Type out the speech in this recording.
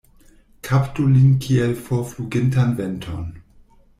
Kaptu lin kiel forflugintan venton.